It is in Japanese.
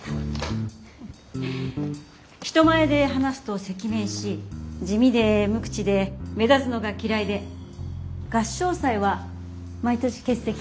人前で話すと赤面し地味で無口で目立つのが嫌いで合唱祭は毎年欠席。